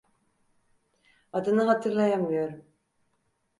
Adını hatırlayamıyorum.